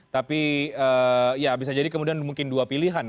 tapi ya bisa jadi kemudian mungkin dua pilihan